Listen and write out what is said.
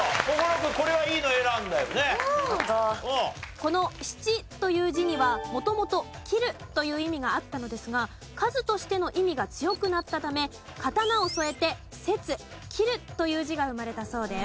この「七」という字には元々「切る」という意味があったのですが数としての意味が強くなったため「刀」を添えて「切」「切る」という字が生まれたそうです。